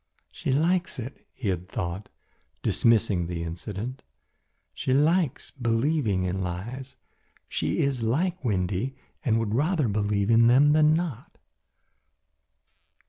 "She likes it," he had thought, dismissing the incident. "She likes believing in lies. She is like Windy and would rather believe in them than not."